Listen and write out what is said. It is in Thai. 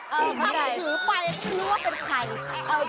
ข้างในถือปลายครัวเป็นไข่